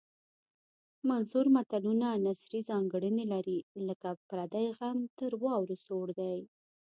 منثور متلونه نثري ځانګړنې لري لکه پردی غم تر واورو سوړ دی